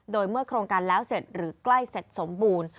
โดยเมื่อโครงการแล้วเสร็จหรือใกล้เสร็จสมบูรณ์